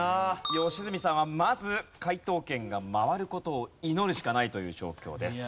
良純さんはまず解答権が回る事を祈るしかないという状況です。